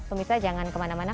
pemirsa jangan kemana mana